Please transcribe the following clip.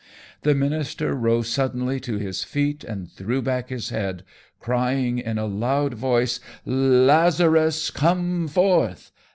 The minister rose suddenly to his feet and threw back his head, crying in a loud voice: "_Lazarus, come forth!